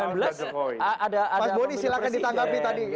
mas boni silahkan ditanggapi tadi